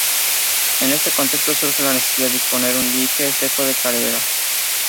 En este contexto surge la necesidad de disponer de un dique seco de carena.